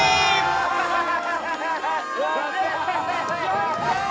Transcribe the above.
やったー！